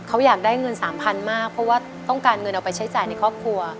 เขาอยากได้เงิน๓๐๐๐มากเพราะว่าต้องการเงินเอาไปใช้จ่ายในครอบครัว